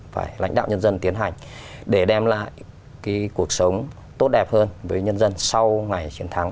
phải lãnh đạo nhân dân tiến hành để đem lại cái cuộc sống tốt đẹp hơn với nhân dân sau ngày chiến thắng